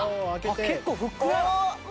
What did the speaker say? あっ結構ふっくら。